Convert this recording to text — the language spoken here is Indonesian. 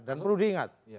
dan perlu diingat